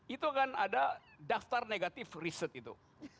itu kan ada daftar negatif riset itu